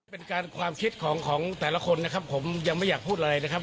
เป็นการความคิดของของแต่ละคนนะครับผมยังไม่อยากพูดอะไรนะครับ